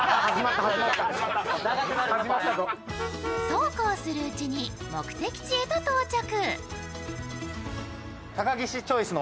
そうこうするうちに目的地へと到着。